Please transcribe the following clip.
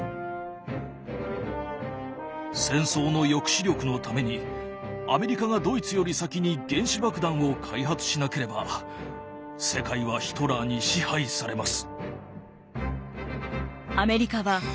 「戦争の抑止力のためにアメリカがドイツより先に原子爆弾を開発しなければ世界はヒトラーに支配されます」。